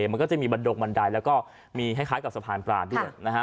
มันก็จะมีบันดงบันไดแล้วก็มีคล้ายกับสะพานปลาด้วย